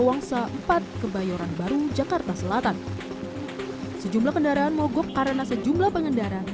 wangsa empat kebayoran baru jakarta selatan sejumlah kendaraan mogok karena sejumlah pengendara